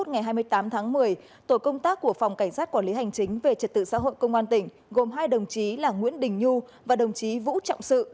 ngày hai mươi tám tháng một mươi tổ công tác của phòng cảnh sát quản lý hành chính về trật tự xã hội công an tỉnh gồm hai đồng chí là nguyễn đình nhu và đồng chí vũ trọng sự